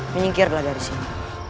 menyingkirlah dari sini